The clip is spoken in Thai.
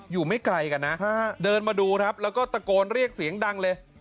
ไม่ไกลกันนะเดินมาดูครับแล้วก็ตะโกนเรียกเสียงดังเลย